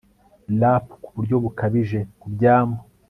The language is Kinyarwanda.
rap ku buryo bukabije ku byambu